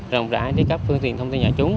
rồng rãi đến các phương tiện thông tin nhà chúng